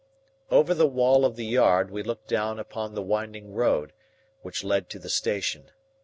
Over the wall of the yard we looked down upon the winding road, which led to the station.